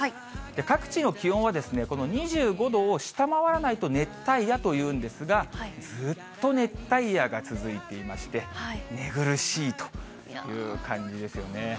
各地の気温は２５度を下回らないと、熱帯夜というんですが、ずっと熱帯夜が続いていまして、寝苦しいという感じですよね。